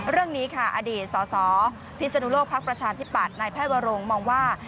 เรื่องนี้อดีตส่อพิสดุโลกภักดิ์ประชาธิปัตย์ในแพทย์วัดโรงมองว่า